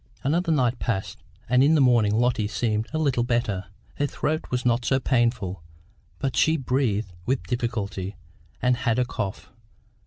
Another night passed, and in the morning Lotty seemed a little better. Her throat was not so painful, but she breathed with difficulty, and had a cough.